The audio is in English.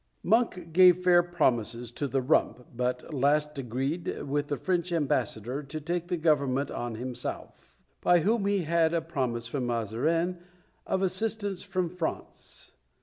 "Monk gave fair promises to the Rump, but last agreed with the French Ambassador to take the government on himself; by whom he had a promise from Mazarin of assistance from France.